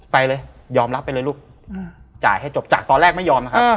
ไปเลยยอมรับไปเลยลูกจ่ายให้จบจากตอนแรกไม่ยอมนะครับ